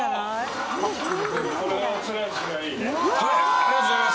ありがとうございます。